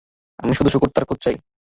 আমি শুধু শূকরটার খোঁজ চাই।